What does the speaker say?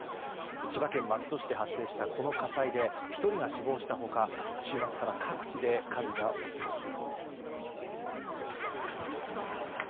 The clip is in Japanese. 千葉県松戸市で発生したこの火災で１人が死亡した他週末から各地で火事が起こっています。